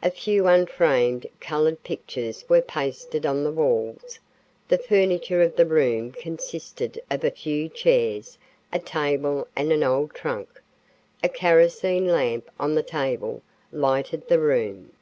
A few unframed, colored pictures were pasted on the walls. The furniture of the room consisted of a few chairs, a table and an old trunk. A kerosene lamp on the table lighted the room.